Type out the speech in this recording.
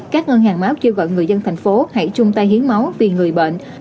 các ngân hàng máu kêu gọi người dân thành phố hãy chung tay hiến máu vì người bệnh